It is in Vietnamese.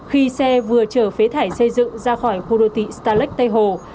khi xe vừa chở phế thải xây dựng ra khỏi khu đô tị starlake tây hồ